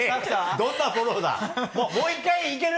どんなフォローだ！